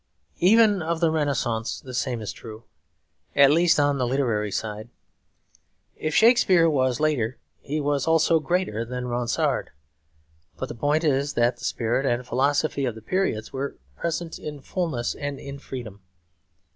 Even of the Renaissance the same is true, at least on the literary side; if Shakespeare was later he was also greater than Ronsard. But the point is that the spirit and philosophy of the periods were present in fullness and in freedom.